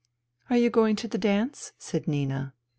" Are you going to the dance ?" said Nina.